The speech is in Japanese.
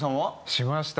しました。